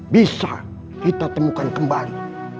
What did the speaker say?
bisa kita temukan kembali